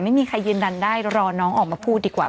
ไม่มีใครยืนยันได้รอน้องออกมาพูดดีกว่า